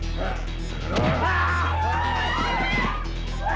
semoga sudah cinta